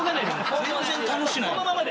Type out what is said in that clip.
全然楽しない。